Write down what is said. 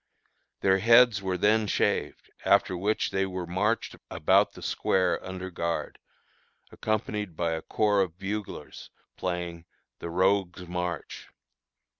Their heads were then shaved, after which they were marched about the square under guard, accompanied by a corps of buglers playing "the rogue's march."